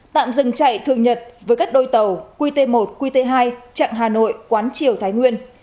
tạm dừng chạy thường nhật với các đôi tàu qt một qt hai chặng hà nội quán triều thái nguyên